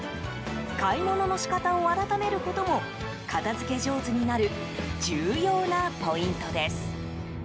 買い物の仕方を改めることも片付け上手になる重要なポイントです。